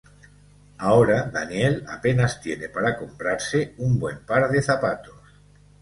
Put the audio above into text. Ahora Daniel apenas tiene para comprarse un buen par de zapatos.